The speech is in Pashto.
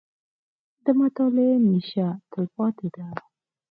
• د مطالعې نیشه، تلپاتې ده.